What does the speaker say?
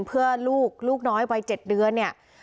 เพื่อลูกน้อยวัน๗เดือนอย่างนี้